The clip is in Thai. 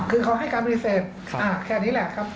คือเขาให้การปฏิเสธแค่นี้แหละครับ